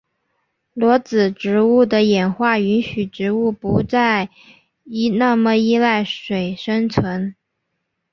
裸子植物的演化允许植物不再那么依赖水生存。